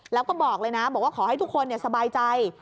แล้วก็บอกเลยนะบอกว่าขอให้ทุกคนสบายใจ